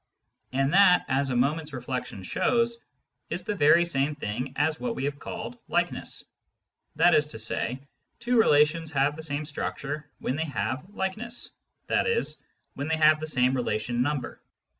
And that, as a moment's reflection shows, is the very same thing as what we have called " likeness." That is to say, two relations have the same structure when they have likeness, i.e. when they have the same relation number.